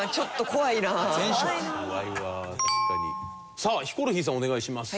さあヒコロヒーさんお願いします。